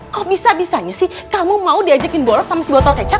kok bisa bisanya sih kamu mau diajakin botol sama si botol kecap